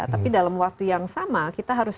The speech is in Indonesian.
tapi dalam waktu yang sama kita harus